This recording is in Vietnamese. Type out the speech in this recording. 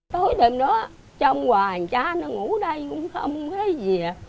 tối đêm đó trong hoàng tra nó ngủ đây cũng không thấy gì